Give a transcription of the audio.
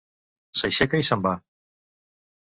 S'aixeca i se'n va.